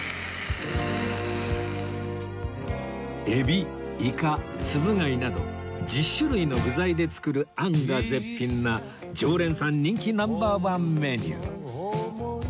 海老イカつぶ貝など１０種類の具材で作るあんが絶品な常連さん人気ナンバーワンメニュー